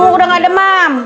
mbam udah nggak demam